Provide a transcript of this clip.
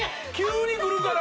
急にくるから！